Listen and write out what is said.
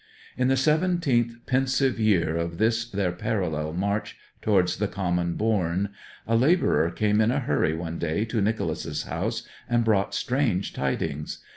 In the seventeenth pensive year of this their parallel march towards the common bourne, a labourer came in a hurry one day to Nicholas's house and brought strange tidings.